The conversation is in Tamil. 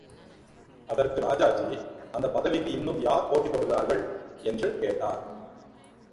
அதற்கு ராஜாஜி, அந்தப் பதவிக்கு இன்னும் யார் போட்டி போடுகிறார்கள்? என்று கேட்டார்.